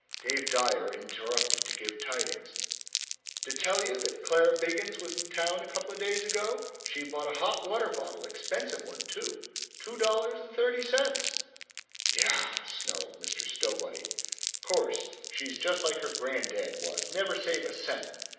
Dave Dyer interrupted to give tidings, "D' tell you that Clara Biggins was in town couple days ago? She bought a hot water bottle expensive one, too two dollars and thirty cents!" "Yaaaaaah!" snarled Mr. Stowbody. "Course. She's just like her grandad was. Never save a cent.